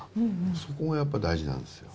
そこがやっぱり大事なんですよ。